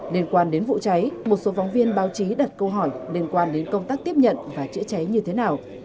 liên quan đến vụ cháy một số phóng viên báo chí đặt câu hỏi liên quan đến công tác tiếp nhận và chữa cháy như thế nào